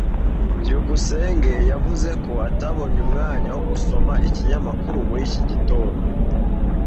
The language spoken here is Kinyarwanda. byukusenge yavuze ko atabonye umwanya wo gusoma ikinyamakuru muri iki gitondo.